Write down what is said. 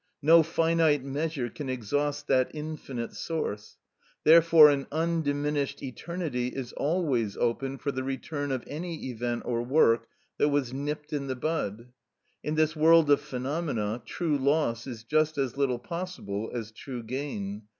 No finite measure can exhaust that infinite source; therefore an undiminished eternity is always open for the return of any event or work that was nipped in the bud. In this world of phenomena true loss is just as little possible as true gain.